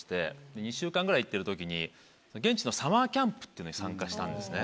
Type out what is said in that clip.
２週間ぐらい行ってるときに現地のサマーキャンプっていうのに参加したんですね。